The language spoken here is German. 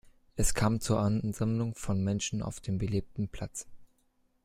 Es kam zur Ansammlung von Menschen auf dem belebten Platz.